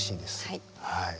はい。